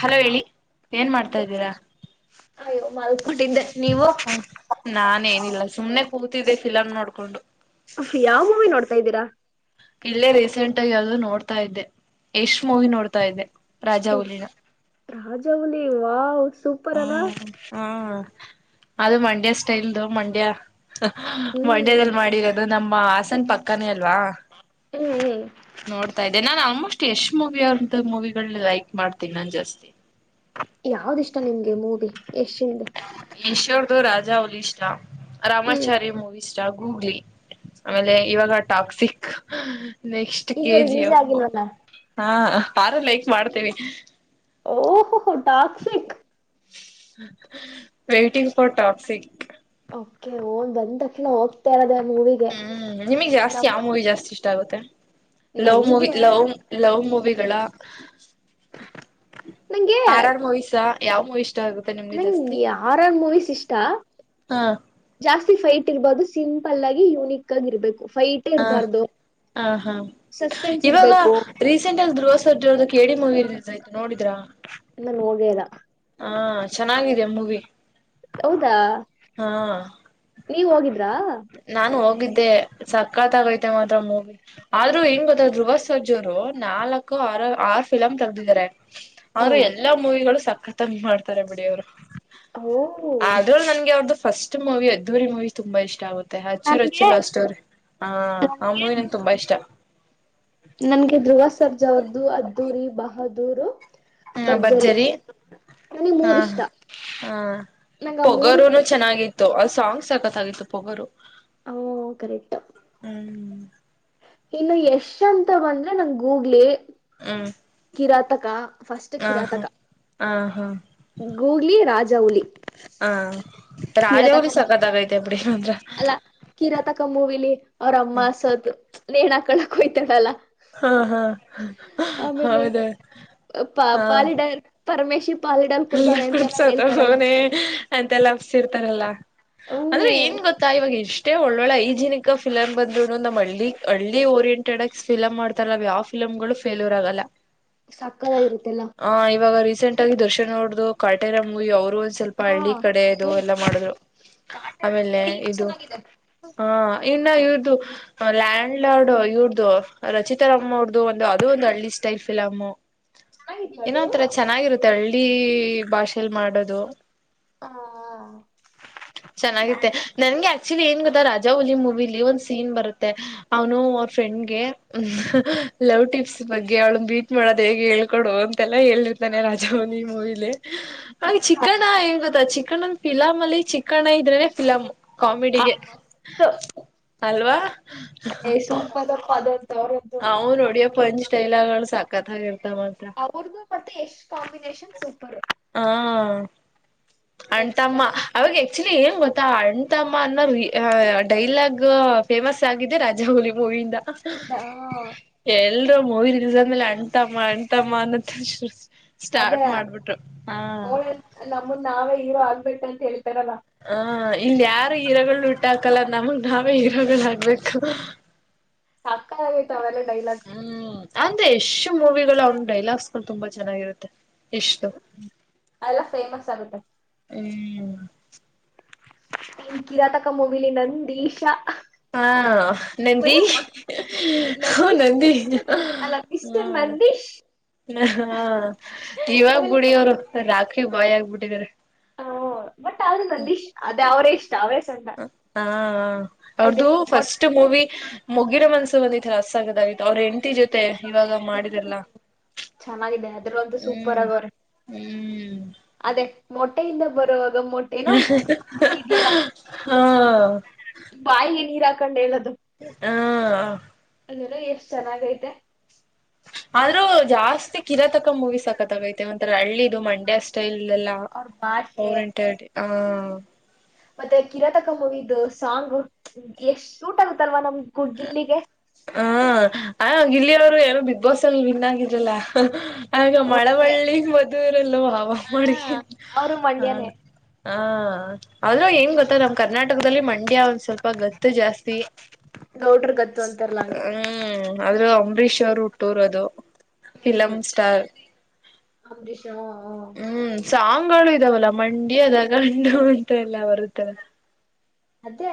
Hello ಹೇಳಿ ಏನ್ ಮಾಡ್ತಾ್ದೀರಾ. ಕೊಟ್ಟಿದ್ದೆ. ಹ ನಾನ್ ಏನಿಲ್ಲ ಸುಮ್ನೆ. ಹೋಗ್ತಿದೆ ಫಿಲಮ್ ನೋಡ್ಕೊಂಡು. ಯಾವ್ ಮೂವಿ ನೋಡ್ತಾ ಇದ್ದೀರಾ. ಇಲ್ಲೇ ರೀಸೆಂಟ್ ಆಗಿ ಯಾವೂ ನೋಡ್ತಾ ಇದ್ದೆ ಯಶ್ ಮೂವಿ ನೋಡ್ತಾ ಇದ್ದೆ. ರಾಜಾ ಎಶ್ ಹುಲಿನ ರಾಜಾಹುಲಿ ವಾವ್ ಸೂಪರ್ ಅಲ್ಲಾ ಹ್ಮ್ ಹ್ಮ. ಅದು ಮಂಡ್ಯ ಸ್ಟೈಲ್ದು ಮಂಡ್ಯ. ಹ್ಮ್ ಮಂಡ್ಯದಲ್ಲಿ ಮಾಡಿರೋದು ನಮ್ಮ ಹಾಸನ ಪಕ್ಕನೇ ಅಲ್ವಾ. ಹ್ಮ. ನೋಡ್ತಾ ಇದ್ದೆ ನಾನ್ ಆಲ್ಮೋಸ್ಟ್ ಎಷ್ಟ್ ಮೂವಿ ಅವಂತ ಮೂವಿಗಳು ಲೈಕ್ ಮಾಡ್ತೀನಿ ನನ್ ಜಾಸ್ತಿ. ಯಾವ್ದ ಇಷ್ಟ ನಿಮ್ಗೆ ಮೂವಿ. ಏಷಿಂದ. ದು ರಾಜಾ ಒಲಿ ಇಸ್ಲಾ. ರಾಮಾಚಾರಿ್ಯ ಮೂವಿ. ಇಷ್ಟ ಗೂಗ್ಲಿ ಆಮೇಲೆ ಇವಾಗ ಟಾಕ್ಸಿಕ್. ನೆಕ್ಸ್ಟ್ ಇಲ್ಲ ಕೆ ಜಿ ರಿಲೀಸ್ ಎಫ್ ಆಗಿಲ್ಲವಲ್ಲ. ಹಾ ಆರ ಲೈಕ್ ಮಾಡ್ತೇವಿ. ಓಹ ಹ. Toxic. Waiting for Toxic. K ಓ್ ಬಂದ ತಕ್ಷಣ ಹೋಗ್ತಾ ಇರದ. ಹ್ಮ್ ನಿಮಗ್ ಜಾಸ್ತಿ ಆ ಮೂಿ ಜಾಸ್ತಿ ಇಷ್ಟ ಆಗುತ್ತೆ. ಲವ್ ಮೂವಿ ನನ್ಗೆ ಲವ್ ಲವ್ ಮೂವಿಗಳ. ಹ್ಮ್ಮ್. ನಂಗೆ ಆರಾಮ ವಯ್ಸ. ಯಾವವು ಇ. ನಂಗೆ ಆರ್ ಆರ್ ಮೂವೀಸ್ ಇಷ್ಟ ಹಾ ಜಾಸ್ತಿ. ಫೈಟ್ ಇರ್ಬಹುದು ಸಿಂಪಲ್ ಆಗಿ ಯುನಿಕ್ ಆಗಿರ್ಬೇಕು. ಹ ಹ ಹಾ ಸಸ್ಪೆನ್ಸ್ ಇವಾಗ ಇರ್ಬೇಕು ರೀಸೆಂಟ್ ಅಲ್ಲಿ ಧ್ರುವ ಸರ್ಜೋದು ಕೇಳಡಿ ಮುಗಿರ್. ನೋಳಡಿ. ಇಲ್ಲಾ ನಾ ಹೋಗೇಲ್ಲ ಹಾ ಚೆನ್ನಾಗಿದೆ ಜಮ್ಮುವೇ ಹೌದಾ ನೀವ್ ಹೋಗಿದ್ರಾ ನಾನು ಹೋಗಿದ್ದೆ ಏ ಸಕತ್ ಆಗೈತೆ ಮಾತ್ರ ಮೂವಿ ಆದ್ರೂ ಹೆಂಗ್ ಗೊತ್ತ ಧ್ರುವ ಸರ್ಜಾ ಅವರು ನಾಲ್ಕು ಆರು ಆರ್ ಫಿಲಮ್ ತೆಗ್ದಿದ್ದಾರೆ ಓ ಆದ್ರ ಎಲ್ಲಾ ಮೂವಿಗಳು ಸಕ್ಕ ಖತಂಬಿ ಮಾಡ್ತಾರೆ ಬಿಡ ಅವ್ರು ಆದ್ರೂ ನನ್ಗೆ ಅವ್ರ್ದು ಫಸ್ಟ್ ಮೂವಿ ಅದ್ದೂರಿ ಮೂವಿ ತುಂಬಾ ಇಷ್ಟ ಆಗುತ್ತೆ ಮತ್ತೆ ಅಚ್ಚು-ರಚ್ಚು ನನಗೆ ಲವ್ ಸ್ಟೋರಿ ಆ ಆ ಮೂವಿ ನನ್ಗೆ ತುಂಬಾ ಇಷ್ಟ ರ್ಜಾ ಅವರದು ಅದ್ದೂರಿ ಬಹ ದೂರು [unintelligible] ಹ ಭರ್ಜರಿ ನನಗ್ ಮೂರ್ ಹ ಇಷ್ಟ ಹ ನಂಗ ಆ ಮೂರು ಪೊಗರುನು ಚೆನ್ನಾಗಿತ್ತು ಅ ಸಾಂಗ್ಸ್ ಸಕ್ಕತ್ತಾಗಿತ್ತು ಪೊಗರು ಹೌ [unintelligible] ಕರೆಕ್ಟ್ ಹ್ಮ್ ಇನ್ನು ಯಶ್ ಅಂತ ಬಂದ್ರೆ ನಂಗ್ ಗೂಗ್ಲಿ ಹ್ಮ್ ಕಿರಾತಕ ಫರ್ಸ್ಟ್ ಕಿರಾತಕ ಆ ಹಾ ಗೂಗ್ಲಿ ರಾಜಾಹುಲಿ ಹ್ಮ ರಾಜಾಹುಲಿ ಸಕತಾಗಾಯ್ತೆ ಅಲ್ಲ ಕಿರಾತಕ [unintelligible] ನೇಣ ಹಾಕ್ಕೊಳಕ ಹೋಯ್ತದಲ್ಲ [unintelligible] ಹಾ ಹಾ ಆಮೇಲೆ ಹೌದ ಪ ಪ ಪಾಲಿಡಲ [unintelligible] ಪರಮೇಶಿ ಪಾಲಿಡಲ್ ಎಲ್ಲ ಕುಡ್ದವನೆ ಅಂತೆಲ್ಲಾ ಕುಡ್ಸೋದು ಹೇಳ್ತಾರಲ್ಲ ಅವನೇ ಅಂತೆಲ್ಲ ಅಬ್ಸ್ ಇರ್ತಾರಲ್ಲಾ ಹೂ ಅಂದ್ರೆ ಏನ್ ಗೊತ್ತಾ ಇವಾಗ ಎಷ್ [unintelligible] ಷ್ಟೆ ಒಳ್ಳೊಳ್ಳೆ ಐಜಿನಿಕಾಗ್ ಫಿಲಮ್ ಬಂದ್ರುನು ನಮ್ ಹಳ್ಳಿ ಹಳ್ಳಿ ಓರಿಂಟೆಡ್ ಆಗಿ ಫಿಲಮ್ ಮಾಡ್ತಾರ ಯಾವ ಫಿಲಂಗಳು ಫೆಲ್ಯೂರ್ ಆಗಲ್ಲ ಸಕ್ಕತಾಗಿರುತ್ತೆಲ್ಲ ಸೆಂಟ್ಲ್ ದೊಸ್ [unintelligible] [unintelligible] ನೋರ್ದು ಕಾಟೇರ ಮೂವಿ ಅವ್ರ [unintelligible] ಸ್ವಲ್ಪ ಹಾ ಹಳ್ಳಿ ಕಡೆ ಇದು ಏ ಎಲ್ಲ ಮಾಡಿದ್ರು ಕಾಟೇರ ಆಮೇಲೆ ಥೀಮ್ ಇದು ಚೆನ್ನಾಗಿದೆ ಹ ಇನ್ನು ಇವ್ರ್ದ ಲ್ಯಾಂಡ್ ಲಾರ್ಡ್ ಇವ್ರದು ರಚಿತಾ ರಾಮ ಅವ್ರದು ಒಂದು ಅದು ಒಂದು ಹಳ್ಳಿ ಸ್ಟೈಲ್ ಫಿಲಮ್. ಚೆನ್ನಾಗಿದ್ಯಾ ಏನೂ ಅದು ಒಂತರ ಚೆನ್ನಾಗಿರುತ್ತೆ ಹಳ್ಳಿ. ಈ ಭಾಷೆಲ್ [unintelligible] ಮಾಡದು. ಆ ಚೆನ್ನಾಗತ್ತೆ ನನ್ಗೆ [unintelligible] ಆಕ್ಚುಲಿ ಏನ್ ಗೊತ್ತಾ ರಾಜಾವಲಿ ಮೂವಿಲಿ ಒಂದ್ ಸೀನ್ ಬರುತ್ತೆ ಅವನು ಅವ್ರ ಫ್ರೆಂಡ್ಗೆ ಲವ್ ಟಿಪ್ಸ್ ಬಗ್ಗೆ ಅವ್ಳು ಬೀಟ್ ಮಾಡೋದು ಹೇಗೆ ಹೇಳ್ಕೊಡು ಅಂತೆಲ್ಲ ಹೇಳಿರ್ತಾನೆ ರಾಜಾಹುಲಿ [unintelligible] ಆ ಚಿಕಣ್ಣ ಹೆಂಗ ಗೊತ್ತಾ ಚಿಕಣ್ಣ ಫಿಲಮ್ ಅಲ್ಲಿ ಚಿಕ್ಕಣ್ಣ ಇದ್ರೆ ಫಿಲಂ ಆ ಕಾಮಿಡಿಗೆ. ಮಸ್ತ್ ಅಲ್ವಾ. [unintelligible] ಅವು ನೋಡಿಯ ಪಂಚ್್ಟೈಲಗಳು ಸಾಕತ್ಾಗಿರ್ತ ಮತ್ರ ಅವ್ರದು ಮತ್ತೆ ಯಶ್ ಕಾಂಬಿನೇಷನ್ ಸೂಪರ್ ಹ. ನೆಕ್ಸ್ಟ್ ಅಣಂತಮ್ಮ ಲೆವೆಲ್ ಅವಾಗ ಆಕ್ಚುಲಿ ಏನ್ ಗೊತ್ತಾ ಅಣಂತಮ್ಮ. ಡೈಲಾಗ್ ಫೇಮಸ್ ಆಗಿದೆ ರಾಜಾವುಲಿ ಮೂವಿ. ಮ್. ಹೌದಾ ಎಲ್ರೂ ಮೂವಿರಿಸಂದೇ ಆ. ಎಂತ ಮಾಡ ಎಂತಮ್ಮನ. ಅದೇ ಸ್ಟಾರ್ಟ್ ಮಾಡ್ಬಿಟ್ಟು ಹಾ. ನಂದ ನಾವೇ ಹೀರೋ ಆಗ್ಬೇಕು ಅಂತ ಹೇಳ. ಹ ಇಲ್ ಯಾರು ಹೀರ್ ುಟ್ಟ ಹಾಕಲ್ಲ ನಮಗ್ ನಾವೇ ಹೀರಗಳ ಆಾಗಬೇಕು. ಸಾಕ್ಕಾಗೈತ ಅವಲ್ಲ. ಕೈಲ್ಲ. ಹ್ಮ್ ಅಂದ್ರೆ ಯಶು ಮೂವಿಗಳು ಅವ್ನ ಡೈಲಾಗ್ಸ್ಗಳು ತುಂಬಾ ಚೆನ್ನಾಗಿರುತ್ತೆ. ಯಶ್ದು ಎಲ್ಲ ಫೇಮಸ್ ಆಗುತ್ತೆ. ಹ್ಮ್. ನಿನ್ ಕಿರಾತಕ ಮುಗಿಲಿ ನಂದಿಶಾ. ಹಾ ನಂದಿ ನಂದೀಶ್ ನಂದಿ ಮಿಸ್ಟರ್ ಅಲ್ಲ ಮಿಸ್ಟರ್ ಹ್ಮ ನಂದೀಶ್ ಹಾ ಜೀವಾಗ ಆಮೇಲೆ ಗುಡಿಿಯ ಅವರು ರಾಿ. ಬಾಯಿ ಆಗ್ಬಿಟ್ಟಿದಿದ್ದಾರೆ. ಆ, ಬಟ್ ಆದ್ರೂ ನಂದೀಶ್ ಅದೇ ಅವರೇ ಇಷ್ಟ ಅವರೇ ಚಂದ ಹ ಇದೆ ಅವ್ರದುು ಮೊಟ್ ಫಸ್ಟ್ ಮೂವಿ ಮುಗಿರೋ ಮನ್ಸು ಬಂದತರ. ಆತ್ತು ಅವ್ರ ಎಂಡಟಿ ಜೊತೆ. ಇವಾಗ ಮಾಡಿದೆಲ್ಲ ಚೆನ್ನಾಗಿದೆ ಅದ್ರಲ್ಲಂತೂ ಸೂಪರ್ ಹ್ಮ್. ಆಗವ್ರೆ ಹ್ಮ್. ಅದೇ ಮೊಟ್ಟೆಯಿಂದ ಬರುವ. ಮಟ್ಟೆ ಸಮಂಗಲ್ಲ ಹಾ ಬಾಯ ಇ ನೀರ. ಕಂಡಲ್ಲ. ಹ. ಹಾ. ಎಷ್ಟು ಚೆನ್ನಾಗೈತೆ. ಸಕ್ಕತಗೈತೆ ಒಂತ ಹಳ್ಳಿ ಇದು ಮಂಡ್ಯ ಅಷ್ಟೈಲ್ಲಿ. ಇಲ್ಲಲ್ಲ ಅವ್ರ ಭಾಷೆ ಅವರಂಟ ಹೇಳಿ ಆ. ಹ. ಮತ್ತೆ ಕಿರಾತಕ ಮೂವಿದು ಸಾಂಗ್ ಎಷ್ಟ್ ಸೂಟ್ ಆಗುತ್ತಲ್ವಾ ನಮ್್ದ. ಗುಡ್ಗಿಲ್ಲಿಿಗೆ. ಹ ಆಯ ಗಿಲ್ಲಿ ಅವರು ಏನು ಬಿಗ್ ಬಾಸ್ ಅಲ್ಲಿ ಭಿನ್ ಆಗಿದ್ರಲ್ಲ. ಆಗ ಹ್ಮ್, ಅದೇ ಮಳವಳ್ಳಿ ಮದರಲ್ವ ಹ ಹಾ ಮಾಡಕ ಅವರು ಹ. ಮಂಡ್ಯನೇ ಹಾ. ಆದ್ರು ಏನ್ ಗೊತ್ತಾ ನಮ್ ಕರ್ನಾಟಕದಲ್ಲಿ ಮಂಡ್ಯ ಒಂದ್ ಸ್ವಲ್ಪ ಗತ್ತು ಜಾಸ್ತಿ. ಗೌಡ್ರ ಗತ್ತು ಅಂತಾರಲ್ಲ ಹಂಗೆ [unintelligible] ಅಂಬರೀಶ್ ಅವ್ರ್ ಹುಟ್ಟೂರ್ ಅದು. ಫಿಲಂ ಹ್ಮ್ ಸ್ಟಾರ್ ಅಂಬರೀಷ್ ಹ ಹ್ಮ್. ಸಾಂಗ್ಗಳು ಇದಾವಲ್ಲ ಮಂಡ್ಯದ ಗಂಡು ಅಂತ ಎಲ್ಲ ಬರುತ್ತಲ್ಲ. ಅತ್ತೆ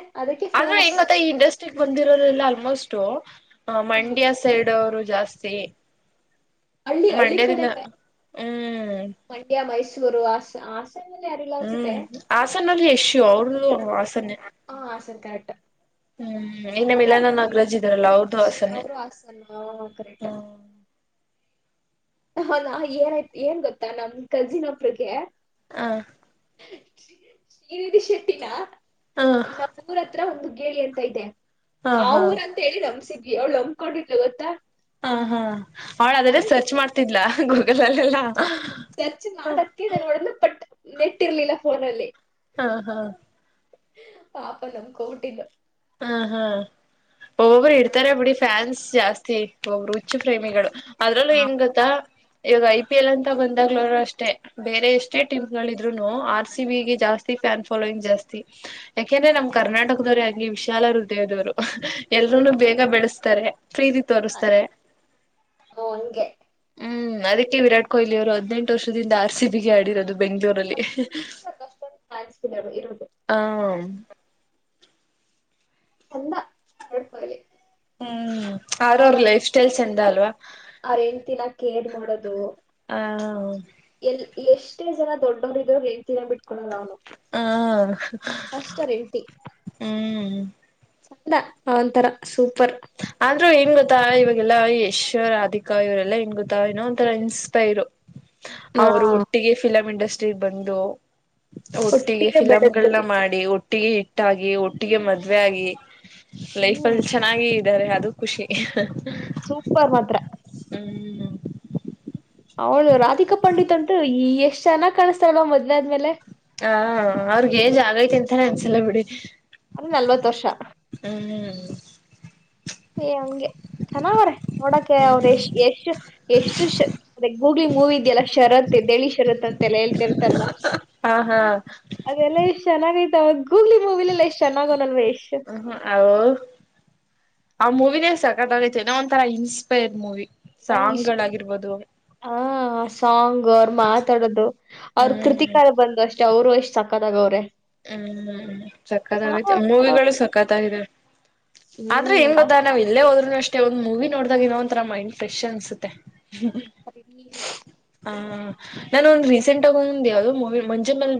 ಆದ್ರು ಹೆಂಗ್ ಗೊತ್ತಾ ಈ ಇಂಡಸ್ಟ್ರಿಗ್ ಬಂದ್ ಬಂದಿರೋರೆಲ್ಲಾ ಆಲ್ಮೋಸ್ಟು ಹಾ ಹ್ಮ್ ಮಂಡ್ಯ ಸೈಡ್ ಅವರು ಜಾಸ್ತಿ ಹಳ್ಳಿ ಹಳ್ಳಿ ಮಂಡ್ಯದಿಂದ ಕಡೆನೇ ಹ್ಮ್ ಮಂಡ್ಯ ಮೈಸೂರ್ [unintelligible] ಹ್ಮ್ ಹಾಸನಲ್ಲಿ ಯಶು ಅವ್ರ್ದುಹಾಸನೆ ಟಾಟಾ ಹ್ಮ್ ಇನ್ನ ಮಿಲನ ನಾಗರಾಜ್ ಇದ್ರಲ್ಲ ಅವ್ರ್ದು ಹಾಸನ್ನೆ ಅವರು ಹಾಸನ್ ಕರೆಕ್ಟ್ ಹ್ಮ್. [unintelligible] ಏನ್ ಗೊತ್ತಾ ನಮ ಕಜಿನ್ ಒಬ್ರುಗೆ ಹಾ. ಶ್ರೀನಿಧಿ ಶೆಟ್ಟಿನಾ? ಹ ಹ ನಮ್ ಊರ್ ಹತ್ರ ಒಂದು ಕೇಳಿ ಹತ್ತ್ ಐತೆ ಆ ಹ ಊರ್ ಹ ಅಂತ ಹೇಳಿ ನಂಬ್ಸಿ ಅವ್ಳ್ ಅಮ್ಕೊಂಡಿದ್ಲು ಗೊತ್ತಾ ಹಾ ಹಾ ಅವ್ಳ್ ಹಾಗಾದ್ರೆ ಆಮೇಲೆ ಸರ್ಚ್ ಮಾಡ್ತಿದ್ಲಾ? ಗೂಗಲ್ ಅಲ್ಲೆಲ್ಲಾ ಸರ್ಚ್ ಮಾಡಕ್ಕೆ ಅಂತ ನೋಡುದ್ಲು ಪಟ್ ನೆಟ್ ಇರ್ಲಿಲ್ಲ ಫೋನಲ್ಲಿ. ಹಾ ಹಾ. ಪಾಪ ನಂಬ್ಕೋಬಿಟ್ಟಿದ್ಲು. ಹಾ ಹಾ. ಒಬೊಬ್ರು ಇಡ್ತಾರೆ ಬಿಡಿ ಫ್ಯಾನ್ಸ್ ಜಾಸ್ತಿ [unintelligible] ಹುಚ್ಚು ಪ್ರೇಮಿಗಳು ಅದ್ರಲ್ಲೂ ಏನ್ ಗೊತ್ತಾ ಇವಾಗ ಐ ಪಿ ಎಲ್ ಅಂತ ಬಂದಾಗ್ಲರು ಅಷ್ಟೇ ಬೇರೆ ಎಷ್ಟೇ ಟೀಮ್ಗಳ್ ಇದ್ರೂನು ನೋ ಆರ್ ಸಿ ಬಿ ಗೆ ಜಾಸ್ತಿ ಫ್ಯಾನ್ ಫಾಲೋಯಿಂಗ್ ಜಾಸ್ತಿ ಯಾಕೆಂದ್ರೆ ನಮ್ ಕರ್ನಾಟಕದವ್ರ ಹಾಗೆ ನಿಮಿಷ ಚಾಲಾರುದೆದವರು ಎಲ್ರುನು ಬೇಗ ಹ್ಮ್ ಬೆಳಸ್ತಾರೆ ಫ್ರೀದಿ ತೋರಿಸ್ತಾರೆ ಹಂಗೆ ಹ್ಮ್ ಅದಕ್ಕೆ ವಿರಾಟ್ ಕೊಹ್ಲಿ ಅವರು ಹದಿನೆಂಟ ವರ್ಷದಿಂದ ಆರ್ಸಿಬಿಗೆ ಆಡಿರೋದು ಬೆಂಗಳೂರಲ್ಲಿ ಅಷ್ಟೊಂದು ಫ್ಯಾನ್ಸ್ ಇದಾರೆ ಇರೋದು ಹ [unintelligible] ಚಂದ ನೋಡ್ಕೋಳಲಿ ಹ್ಮ್ ಆರವರ್ ಲೈಫ್ ಸ್ಟೈಲ್ ಚಂದ ಅಲ್ವಾ ಅವ್ರ ಹೆಂಡ್ತಿನ ಕೇರ್ ಮಾಡೋದು ಆ ಹೌ ಎಲ್ ಎಷ್ಟೇ ಜನ ದೊಡ್ಡವ್ರ ಇದ್ರ ಹೆಂಡತಿನ ಬಿಟ್ಕೋಡಲ್ಲ ಅವನು ಹ್ಮ್ ಅಷ್ಟ ಅವ್ರ ಹ್ಮ್ ಸಂದ ಅವಂತರ ಸೂಪರ್ ಆದ್ರೂ ಹೆಂಗ್ ಗೊತ್ತಾ ಇವಾಗೆಲ್ಲಾ ಯಶ್ ರಾಧಿಕಾ ಇವರೆಲ್ಲಾ ಹೆಂಗ್ ಗೊತ್ತಾ ಇನ್ನೋ ಒಂಥರ ಇನ್ಸ್ಪೈರ್ ಹಾ ಅವರು ಒಟ್ಟಿಗೆ ಫಿಲಂ ಇಂಡಸ್ಟ್ರಿ ಚಿ ಬಂದು ಒಟ್ಟಿಗೆ ಫಿಲಂಗಳನ್ನ ಮಾಡಿ ಒಟ್ಟಿಗೆ ಇಟ್ಟು ಒಟ್ಟಾಗಿ ಒಟ್ಟಿಗೆ ಮದ್ವೆ ಆಗಿ ಲೈಫ್ ಹ್ಮ್ ಅಲ್ಲಿ ಚೆನ್ನಾಗಿ ಇದಾರೆ ಅದು ಖುಷಿ ಸೂಪರ್ ಮಾತ್ರ [unintelligible] ಅವಳು ರಾಧಿಕಾ ಪಂಡಿತ್ ಅಂತು ಈ ಎಷ್ಟ ಚೆನ್ನಾಗಿ ಕಾಣ್ತಾವಳವ ಮದ್ವೆ ಆದ್ಮೇಲೆ ಹ ಅವ್ರಗ್ ಏಜ್ ಆಗೈತಿ ಅಂತಾನೇ ಅನ್ಸಲ್ಲ ಬಿಡಿ ಅಲ್ಲಿ ನಲ್ವತ್ತು ವರ್ಷ. ಹ್ಮ್ ಏ ಹಂಗೆ ಚೆನ್ನಾಗಿ ಅವ್ರೆ ನೋಡಕೆ ಅವ್ರ ಹ್ಮ್ ಎಷ್ಟ ಎಷ್ಟು ಎಷ್ಟು ಅದ ಗೂಗ್ಲ್ ಮೂವಿ ಇದ್ಯಲ್ಲ ಶರತ ಎದ್ದೇಳಿ ಶರತ. ಹೇಳ್ತಿರ್ತಾರಲ್ಲ ಹಾ ಹಾ ಅದೆಲ್ಲ ಇಷ್ಟ ಚೆನ್ನಾಗ. ತಗ್ಗು ಗೂಗ್ಲಿ ಮೂವಿಲ್ಲಲ್ಲಿ ಎಷ್ಟ ಚೆನ್ನಾಗಿ ಅವನಲ್ಲ ಯಶ್ ಹ ಆ ಮೂವಿನೇ ಸಕತ್ತಾಗೈತೆ ಏನೋ ಒಂಥರಾ ಇನ್ಸ್ಪೈರ್ ಮೂವಿ ನಂಗ ಸಾಂಗ್ ಇಷ್ಟ ಗಳಾಗಿರ್ಬೋದು ಹಾ ಸಾಂಗ್ ಅವರು ಮಾತಾಡೋದು ಅವ್ರ ಹ್ಮ್ ಕೃತಿಕಾರ ಬಂದು ಅಷ್ಟ. ಅಷ್ಟ ಅವರು ಎಷ್ಟ್ ಸಕ್ಕತ್ತಾಗ ಅವ್ರೆ ಹ್ಮ್ ಸಕ್ಕತ್ತಾಗೈತೆ ಚೆನ್ನಾಗವ್ರೆ ಮೂವಿಗಳು ಸಕ್ಕತ್ತಾಗಿದವೇ ಆದ್ರೆ ಏನ್ ಹ್ಮ್ ಗದ ನಾವ್ ಇಲ್ಲೇ ಹೋದ್ನು ಅಷ್ಟೇ ಒಂದ್ ಮೂವಿ ನೋಡ. ಅಾಗಿ ಇನ್ನ ಒಂರ ಮೈಂಡ್ ಫ್ರೆಶ್ ಅನ್ಸುತ್ತೆ. ಅರಿ. ಆಹ ನಾನೊಂದ ರೀಸೆಂಟ್ ಆಗ ಒಂದ ಯಾವವು್ದೋ ಮೂವಿ ಮಂಜ ಮ್ಯಲೆ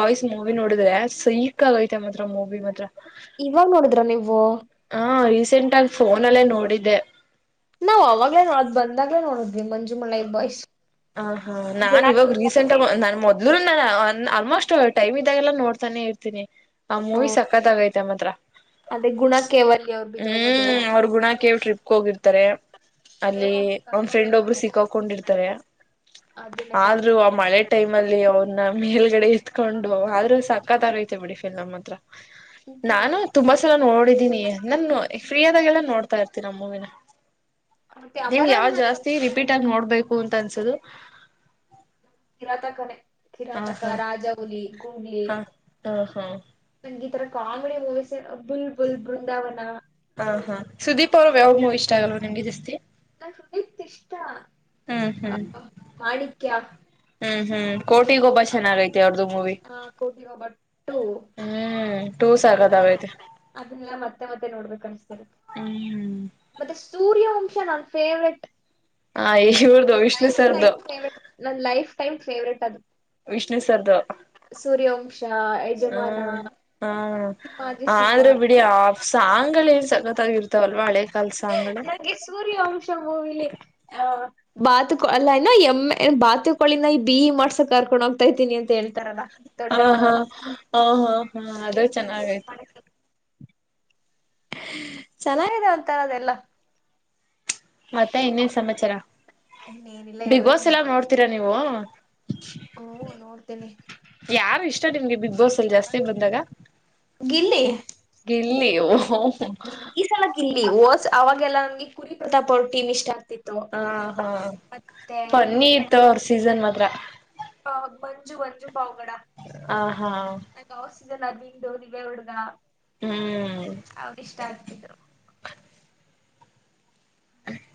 ಬಾಯ್ ಮೂವಿ ನೋಡಿದ್ರೆ ಸೈಕ್ ಆಗೈತೆ ಮಾತ್ರ ಮೂವಿ ಮಾತ್ರ. ಇವಾಗ ನೋಡಿದ್ರ ನೀವು. ವ. ಹಾ ರೀಸೆಂಟ್ ಆಗ ಫೋನ್ ಅಲ್ಲೇ ನೋಡಿದ್ದೆ. ನಾವವು ಅವಾಗ್ಲೇ ನೋಡೋದ್ ಬಂದಾಗ್ಲೇ ನೋಡದ್ವಿ ಮಂಜುಮಳ ಬಾಯ್ಸ್. ಹ ಹಾ ನಾನ್ ಇವಾಗ ಗುಣಾಕ್ಕೆ ರೀಸೆಂಟ್ ಬಂದಿ ನನ್ ಮೊದ್. ಇ ನಾನ ಆಲ್ಮೋಸ್ಟ್ ಟೈಮ್ ಇದಾಗೆಲ್ಲ ನೋಡ್ತಾನೆ ಇರ್ತೀನಿ ಆ ಹಾ ಮೂವಿ ಸಕತ್ ಆಾಗೈತೆ ಮಾತ್ರ. ಅದೇ ಗುಣ ಕೇವಲಿ ಅವ್ರು ಬಿದೋಗೋದು ಹ್ಮ್ ಅವ್ರ ಗುಣಕ್ಕೆೇಳ ಟ್ರಿಪ್ಗೆ ಹೋಗಿರ್ತಾರೆ. ಅಲ್ಲಿ ಒಂದ್ ಫ್ರೆಂಡ್ ಒಬ್ರು ಸಿಕ್ಕಕೊಂಡಿರ್ತಾರ. ಅದನ್ನ ಆದ್ರೂ ಕರ್ಕೊಂಡ್ ಆ ಮಳೆ ಬರಕ್ ಟೈಮ್ ಅಲ್ಲಿ ಅವ್ರನ್ನ ಮೇಲ್ಗಡೆ ಇತ್ಕೊಂಡು ಆದ್ರೂ ಸಾ. ಪಕ್ಕಾ ತರ ಐತೆ ಬಿಡಿ ಫಲ್ ನಮ್ತ್ರ. ಸೂಪರ್ ನಾನು ಅದು ತುಂಬಾ ಸಲ ನೋಡೋಡಿದ್ದೀನಿ ನ ಫ್ರೀ. ಾಗಲ್ಲ ನೋಡ್ತಾ ಇರ್ತೀ ನಮ್ಮ್ವಿನ. ಮತ್ತೆ ನೀಮ್ ಅಮರನ್ ಯಾವ್ ಅಂತ ಜಾಸ್ತಿ ರಿಪೀಟ್ ಆಗಿ ನೋಡ್ಬ. ಬೇಕಂತ, ಅನಿಸುತ್ತೆ. [unintelligible] ಅದೂ.. [inaudible] ಕಿರಾತಕಣೆ.. [unintelligible] ಕಿರಾತಕ, ರಾಜಾಹುಲಿ, ಗೂಗ್ಲಿ, ಹಾ ಹ ಹಾ ನನಗೆ ಇತರ? Comedy, movies. [unintelligible] ಬುಲ್ಬುಲ್, ಬೃಂದಾವನ. [unintelligible] ಹಾ ಹಾ ಸುದೀಪ್ ಪರ್ವಯಾವ್ಗ್ನೂ ಇಷ್ಟ ಆಗಲ್ವ ನಿಮ್ಗೆ ಜಾಸ್ತಿ ನನಗೆ ಇಷ್ಟ ಹ್ಮ್ ಹ ಮಾಣಿಕ್ಯಾ ಹ್ಮ ಹ್ಮ್ ಕೋಟಿಗೊಬ್ಬ ಚೆನ್ನಾಗೈತೆ ಅವ್ರದು ಮೂವಿ ಹ ಕೋಟಿ ಹಬಟ್ಟು ಹ್ಮ್ ಟೂ ಅಲ್ಲ ಸಕತ್ತಾಗೈತೆ ಅದಲ್ಲ ಮತ್ತೆ ಮತ್ತೆ ನೋಡ್ಬೇಕ ಅನ್ಸ್ತಿರುತ್ತೆ ಹ್ಮ್ ಮತ್ತೆ ಸೂರ್ಯವಂಶ ನನ್ ಫೇವ್ರೇಟ್ ಹಾ ಯಶೂರ್ದು ವಿಷ್ಣು ಸರ್ದುು ಟೈಮ ಫೇವ್ರೇಟ್ ಅದು ವಿಷ್ಣು ಸರ್ದು ಸೂರ್ಯವಂಶ ಯಜಮಾನ ಹ ಹ ಸಿಂಹಾದ್ರಿ ಸಿಂಹ ಆದ್ರೆ ಬಿಡಿ ಆ ಸಾಂಗ್ಗಲೇನ್ ಸಕತಾಗಿರ್ತಾವ್ ನಂಗೆ ಸೂರ್ಯವಂಶ ಮೂವಿಲಿ ಹ ಬಾತು ಕೊ ಅಲ್ಲ ಅಣ್ಣ ಎಮ್ಮೆ ಬಾತುಕೋಳಿನ ಬಿ ಈ ಮಾಡ್ಸಕ್ ಕರ್ಕೊಂಡು ಹೋಗ್ತಾ ಇದತೀನಿ ಅಂತ ಹೇಳಿ ಹ ಹಾ ಹ ಹಾ ಹಾ ಅದು ಎಂ ಬಿ ಬಿ ಎಸ್ ಚೆನ್ನಾಗೈತೆ ಚೆನ್ನಾಗಿದೆ ಒಂತರ ಅದೆಲ್ಲ ಮತ್ತೆ ಇನ್ನೇನ್ ಸಮಾಚಾರ ಇನ್ನೇನಿಲ್ಲ ಬಿಗ್ ಹೇಳ್ಬೇಕ್ ಬಾಸ್ ಎಲ್ಲ ನೀವು ನೋಡ್ತೀರಾ ನೀವು ಹ್ಮ ನೋಡ್ತೇನೆ ಯಾರು ಇಷ್ಟ ನಿಮ್ಗೆ ಬಿಗ್ ಬಾಸ್ ಅಲ್ಲಿ ಜಾಸ್ತಿ ಬಂದಾಗ ಗಿಲ್ಲಿ ಗಿಲ್ಲಿ ಗಿಲ್ಲಿ ಓಹೋ ಈ ಸಲಕ್ ಗಿಲ್ಲಿ ಹೋದ್ಸಲ ಅವಾಗೆಲ್ಲ ನನ್ಗೆ ಕುರಿ ಪ್ರತಾಪ್ ಅವ್ರು ಟೀಮ್ ಇಷ್ಟ ಆಗ್ತಿತ್ತು ಹ ಹಾ ಮತ್ತೆ ಫನ್ನಿ ಇತ್ತು ಅವ್ರ ಸೀಸನ್ ಮಾತ್ರ ಮಂಜು ಮಂಜು ಪಾವಗಡ ಹ ಹಾ [unintelligible] ಹಡುಗ ಹ್ಮ್ ಅವಾಗ ಇಷ್ಟ ಆಗ್ತಿದ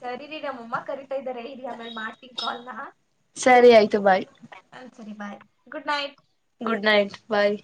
ಸರಿರೀ ನಮ್ಮ ಅಮ್ಮ ಕರಿತಾ ಇದ್ದಾರೆ ಇಲ್ಲಿ ಆಮೇಲೆ ಮಾಡ್ತೀನ್ ಕಾಲ್ನ ಸರಿ ಆಯ್ತು ಬಾಯ್ ಸರಿ bye good night good night ಬಾಯ್